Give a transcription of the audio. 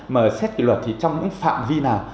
mà xét kỷ luật thì trong những phạm vi nào